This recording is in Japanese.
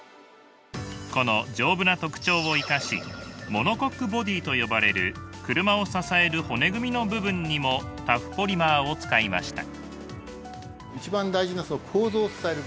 この丈夫な特徴を生かしモノコックボディと呼ばれる車を支える骨組みの部分にもタフポリマーを使いました。